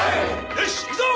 よし行くぞ！